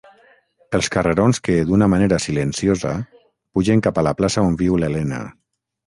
Els carrerons que, d’una manera silenciosa, pugen cap a la plaça on viu l’Elena.